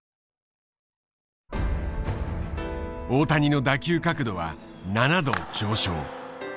大谷の打球角度は７度上昇。